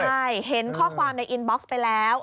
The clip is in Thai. ใช่เห็นข้อความในอินบ็อกซ์ไปแล้ว